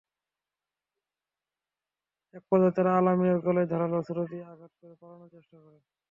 একপর্যায়ে তাঁরা আল-আমিনের গলায় ধারালো অস্ত্র দিয়ে আঘাত করে পালানোর চেষ্টা করেন।